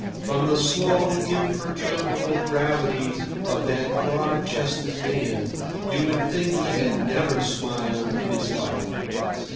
From the slow, imperturbable gravity of that broad chested man you would think he had never smiled in his life.